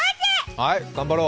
はい、頑張ろう！